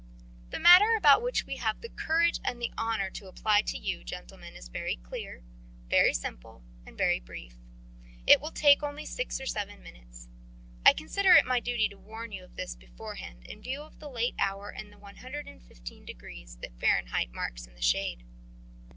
"The matter about which we have the courage and the honour to apply to you, gentlemen, is very clear, very simple, and very brief. It will take only six or seven minutes. I consider it my duty to warn you of this beforehand, in view of the late hour and the 115 degrees that Fahrenheit marks in the shade."